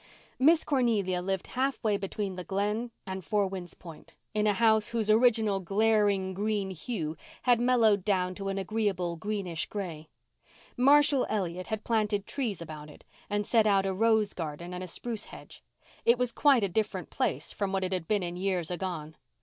Miss Cornelia lived half way between the Glen and Four Winds Point, in a house whose original glaring green hue had mellowed down to an agreeable greenish gray. Marshall Elliott had planted trees about it and set out a rose garden and a spruce hedge. It was quite a different place from what it had been in years agone.